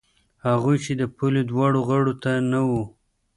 هغوی چې د پولې دواړو غاړو ته نه وو.